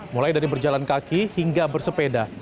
mulai dari berjalan kaki hingga bersepeda